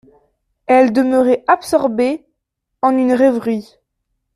Elle demeurait absorbée en une rêverie.